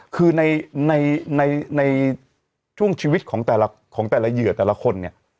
คือในช่วงชีวิตของแต่ละเหยื่อแต่ละคนเนี่ย